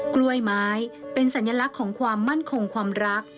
กล้วยไม้เป็นสัญลักษณ์ของความมั่นคงความรัก